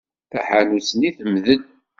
Taḥanut-nni temdel.